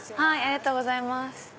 ありがとうございます。